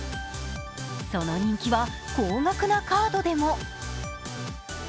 その人気は高額なカードでも。